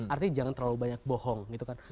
artinya jangan terlalu banyak bohong gitu kan